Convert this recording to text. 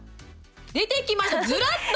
出てきました、ずらっと。